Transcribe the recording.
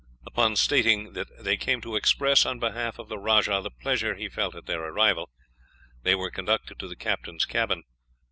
Upon stating that they came to express, on behalf of the rajah, the pleasure he felt at their arrival, they were conducted to the captain's cabin.